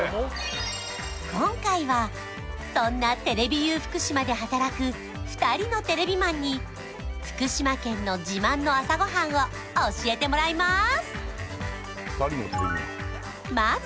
今回はそんなテレビユー福島で働く２人のテレビマンに福島県の自慢の朝ごはんを教えてもらいます！